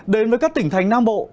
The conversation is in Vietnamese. đến với các tỉnh thành nam bộ